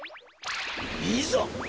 いざ！